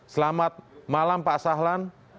selamat malam pak sahlan